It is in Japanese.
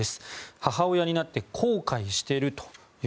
「母親になって後悔してる」という